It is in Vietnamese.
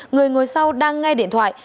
người ngồi sau đang ngay điện thoại